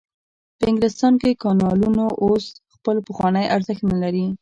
په انګلستان کې کانالونو اوس خپل پخوانی ارزښت نلري.